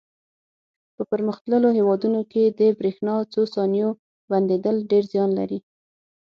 په پرمختللو هېوادونو کې د برېښنا څو ثانیو بندېدل ډېر زیان لري.